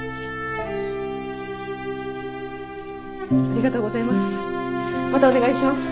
ありがとうございます。